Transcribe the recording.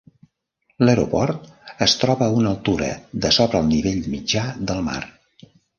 L'aeroport es troba a una altura de sobre el nivell mitjà del mar.